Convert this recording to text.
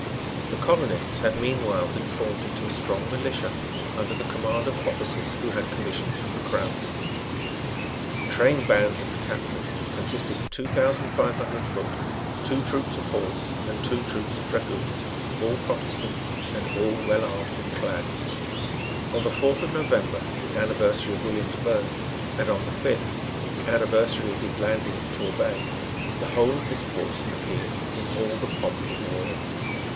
The colonists had meanwhile been formed into a strong militia, under the command of officers who had commissions from the Crown. The trainbands of the capital consisted of two thousand five hundred foot, two troops of horse and two troops of dragoons, all Protestants and all well armed and clad. On the fourth of November, the anniversary of William's birth, and on the fifth, the anniversary of his landing at Torbay, the whole of this force appeared in all the pomp of war.